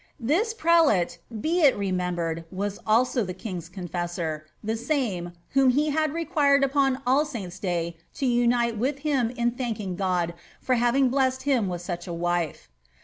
This prelate, be it remembered, was also the king confenoTi the saine, whom he had required upon All Saints'* Day to unite with \m in thanking God for having blessed him with snch a ^ife.